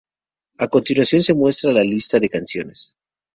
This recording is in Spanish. A continuación se muestra la lista de canciones.